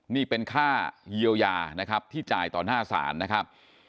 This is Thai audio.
นี่เป็นค่าเยียวยานะครับที่จ่ายต่อหน้าศาลนะครับ